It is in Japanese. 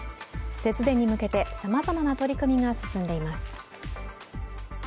節電に向けてさまざまな取り組みが進んでいます。